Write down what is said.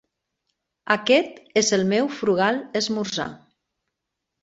Aquest és el meu frugal esmorzar.